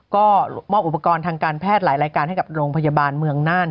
ก็มอบอุปกรณ์ทางการแพทย์หลายรายการให้กับโรงพยาบาลเมืองน่าน